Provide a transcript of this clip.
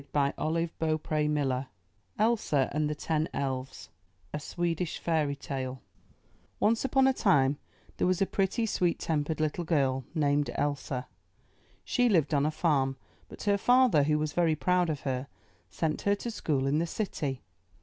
250 UP ONE PAIR OF STAIRS ELSA AND THE TEN ELVES A Swedish Fairy Tale Once upon a time there was a pretty, sweet tempered little girl named Elsa. She lived on a farm, but her father, who was very proud of her, sent her to school in the city.